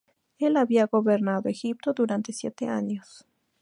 Él había gobernado Egipto durante siete años.